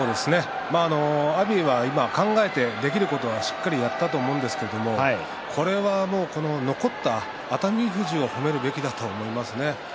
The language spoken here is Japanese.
阿炎は考えてできることはしっかりやったと思うんですけど残った熱海富士を褒めるべきだと思いますね。